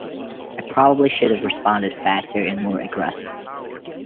I probably should have responded faster and more aggressively.